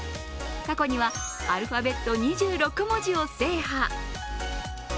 過去にはアルファベット２６文字を制覇。